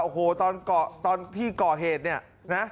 โอ้โหตอนที่ก่อเหตุเนี่ยนะ